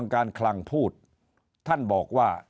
การคลังพูดท่านบอกว่า